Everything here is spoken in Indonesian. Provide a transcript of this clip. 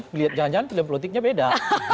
pilihan politiknya beda